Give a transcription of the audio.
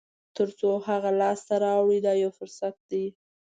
تر څو هغه لاسته راوړئ دا یو فرصت دی.